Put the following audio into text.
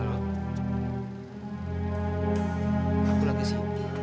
aku ketemu lagi ya